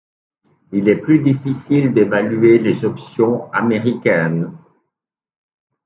Il est plus difficile d’évaluer les options américaines.